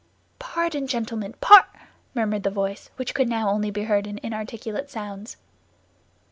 "Pardon, gentlemen—par—" murmured the voice, which could now only be heard in inarticulate sounds.